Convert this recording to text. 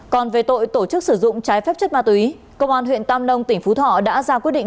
còn về tội tổ chức sử dụng trái phép chất ma túy công an huyện tam nông tỉnh phú thọ đã ra quyết định